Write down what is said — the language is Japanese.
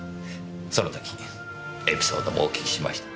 その時エピソードもお聞きしました。